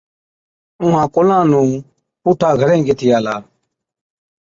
اُونهان ڪُلان نُون پُوٺا گھرين گيهٿي آلا۔